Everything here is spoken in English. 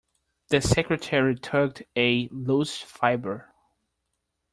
The secretary tugged at a loose fibre.